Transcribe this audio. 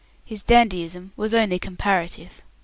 His "dandyism" was only comparative.